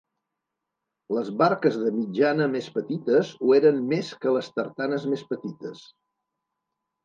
Les barques de mitjana més petites ho eren més que les tartanes més petites.